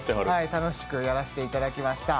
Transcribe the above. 楽しくやらせていただきました。